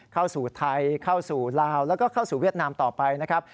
เข้าสู่ไทยเข้าสู่ลาวแล้วก็เข้าสู่เวียดนามต่อไปนะครับ